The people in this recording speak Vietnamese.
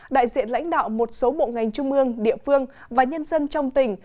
đại diện lãnh đạo một số bộ ngành trung ương địa phương và nhân dân trong tỉnh